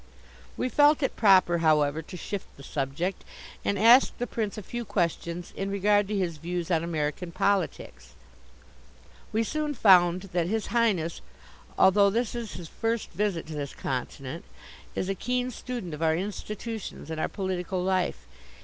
We felt it proper, however, to shift the subject, and asked the Prince a few questions in regard to his views on American politics. We soon found that His Highness, although this is his first visit to this continent, is a keen student of our institutions and our political life.